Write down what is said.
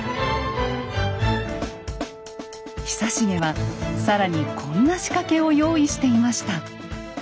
久重は更にこんな仕掛けを用意していました。